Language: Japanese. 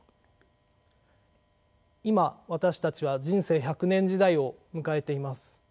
今私たちは人生１００年時代を迎えています。